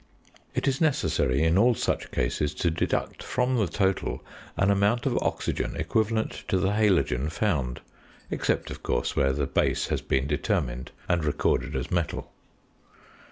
It is necessary in all such cases to deduct from the total an amount of oxygen equivalent to the halogen found, except, of course, where the base has been determined and recorded as metal.